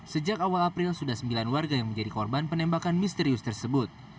sejak awal april sudah sembilan warga yang menjadi korban penembakan misterius tersebut